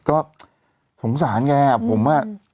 ก็สงสารแกผมอ่ะ